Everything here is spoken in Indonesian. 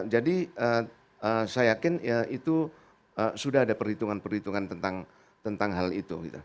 jadi saya yakin itu sudah ada perhitungan perhitungan tentang hal itu